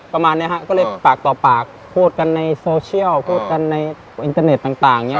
ประมาณเนี้ยฮะก็เลยปากต่อปากพูดกันในพูดกันในต่างต่างเนี้ย